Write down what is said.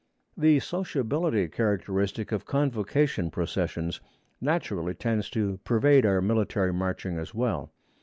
The sociability characteristic of convocation processions naturally tends to pervade our military marching as well.